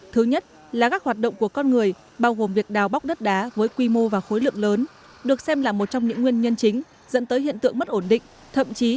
thứ nhất là các hoạt động của con người bao gồm việc đào bóc đất đá với quy mô và khối lượng lớn được xem là một trong những nguyên nhân chính dẫn tới hiện tượng mất ổn định